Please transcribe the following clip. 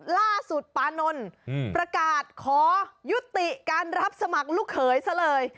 ปานนท์ประกาศขอยุติการรับสมัครลูกเขยซะเลย